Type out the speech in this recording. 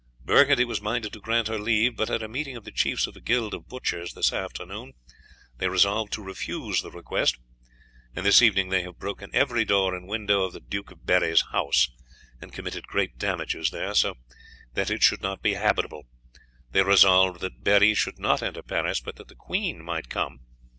Burgundy was minded to grant her leave, but at a meeting of the chiefs of the guild of butchers this afternoon they resolved to refuse the request; and this evening they have broken every door and window of the Duke of Berri's house, and committed great damages there, so that it should not be habitable; they resolved that Berri should not enter Paris, but that the queen might come.